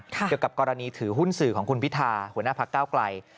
เกี่ยวกับกรณีถือหุ้นสื่อของคุณพิธาหัวหน้าพักเก้าไกล